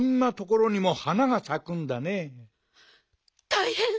たいへん！